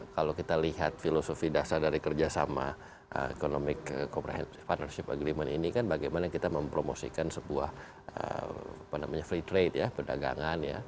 kalau kita lihat filosofi dasar dari kerjasama ekonomi partnership agreement ini kan bagaimana kita mempromosikan sebuah free trade ya perdagangan ya